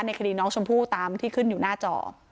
คดีน้องชมพู่ตามที่ขึ้นอยู่หน้าจอ